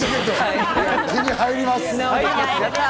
手に入ります！